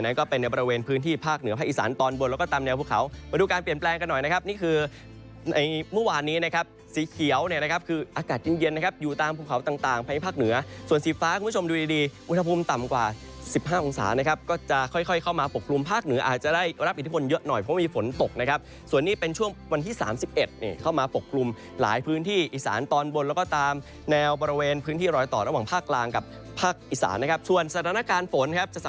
ในบริเวณพื้นที่ภาคเหนือภาคอีสานตอนบนแล้วก็ตามแนวภูเขามาดูการเปลี่ยนแปลงกันหน่อยนะครับนี่คือในมุมหวานนี้นะครับสีเขียวเนี่ยนะครับคืออากาศเย็นนะครับอยู่ตามภูเขาต่างภายในภาคเหนือส่วนสีฟ้าคุณผู้ชมดูดีวัฒนภูมิต่ำกว่าสิบห้าองศานะครับก็จะค่อยเข้ามาปกปรุงภา